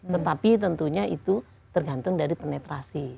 tetapi tentunya itu tergantung dari penetrasi